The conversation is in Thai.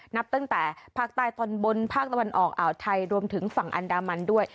นับตั้งแต่ภาคใต้ตอนบนภาคตะวันออกอ่าวไทยรวมถึงฝั่งอันดามันด้วย